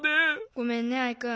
ごめんねアイくん。